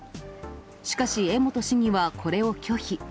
しかし江本市議はこれを拒否。